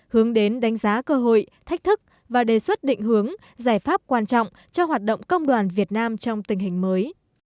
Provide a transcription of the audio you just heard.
hướng đến đánh giá cơ hội thách thức và đề xuất định hướng giải pháp quan trọng cho hoạt động công đoàn việt nam trong tình hình mới